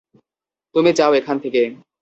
তুমি যাও এখান থেকে।